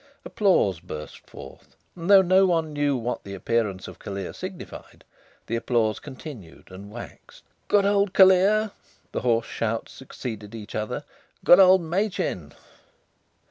Applause burst forth, and though no one knew what the appearance of Callear signified, the applause continued and waxed. "Good old Callear!" The hoarse shouts succeeded each other. "Good old Machin!"